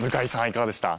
いかがでした？